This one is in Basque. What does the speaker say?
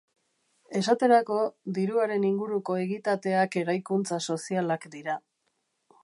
Esaterako, diruaren inguruko egitateak eraikuntza sozialak dira.